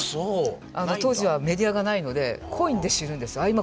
当時はメディアがないのでコインで知るんですよ